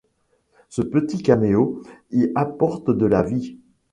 Ce petit caméo y apporte de la vie.